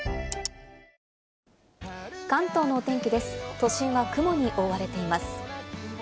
都心は雲に覆われています。